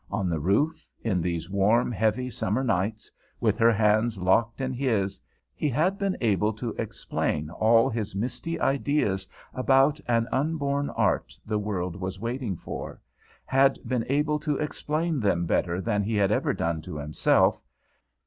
On the roof, in these warm, heavy summer nights, with her hands locked in his, he had been able to explain all his misty ideas about an unborn art the world was waiting for; had been able to explain them better than he had ever done to himself.